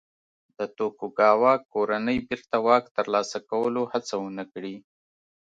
د توکوګاوا کورنۍ بېرته واک ترلاسه کولو هڅه ونه کړي.